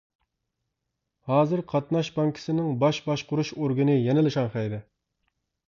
ھازىر قاتناش بانكىسىنىڭ باش باشقۇرۇش ئورگىنى يەنىلا شاڭخەيدە.